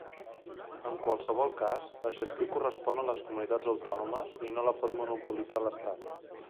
En qualsevol cas, la gestió correspon a les comunitats autònomes i no la pot monopolitzar l'Estat.